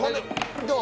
どう？